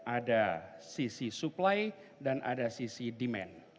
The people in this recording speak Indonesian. ada sisi supply dan ada sisi demand